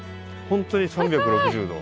本当に３６０度。